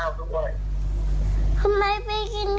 แล้วก็ช่วยข้อสูญชะตาโมงนุ่กด้วยเอง